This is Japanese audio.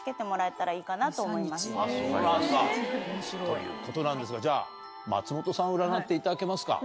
ということなんですがじゃあ松本さんを占っていただけますか？